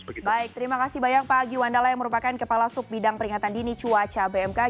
baik baik terima kasih banyak pak agi wandala yang merupakan kepala sub bidang peringatan dini cuaca bmk